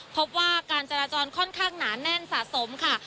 พบว่าการจราจรค่อนข้างหนาแน่นสะสมค่ะ